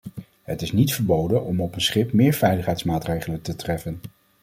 Het is niet verboden om op een schip meer veiligheidsmaatregelen te treffen.